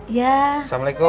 iya cik kita yang terima kasih